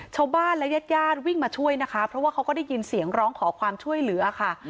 ชาวบ้านและญาติญาติวิ่งมาช่วยนะคะเพราะว่าเขาก็ได้ยินเสียงร้องขอความช่วยเหลือค่ะ